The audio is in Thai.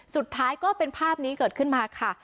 สุดท้ายก็เป็นภาพนี้เกิดขึ้นมาค่ะ